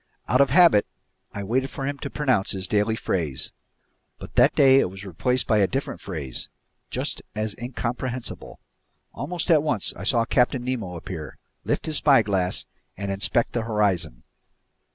Out of habit I waited for him to pronounce his daily phrase. But that day it was replaced by a different phrase, just as incomprehensible. Almost at once I saw Captain Nemo appear, lift his spyglass, and inspect the horizon.